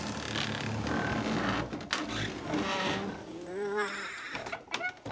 うわ。